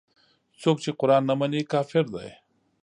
څوک چې قران نه مني کافر دی.